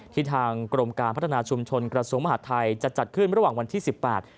ทางกรมการพัฒนาชุมชนกระทรวงมหาดไทยจะจัดขึ้นระหว่างวันที่สิบแปด